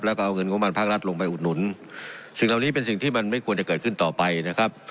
แล้วก็เอาเงินงบประมาณภาครัฐลงไปอุดหนุนสิ่งเหล่านี้เป็นสิ่งที่มันไม่ควรจะเกิดขึ้นต่อไปนะครับ